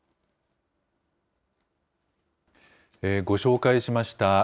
ご紹介しました